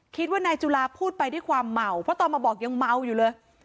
คิดว่านายจุลาพูดไปด้วยความเมาเพราะตอนมาบอกยังเมาอยู่เลย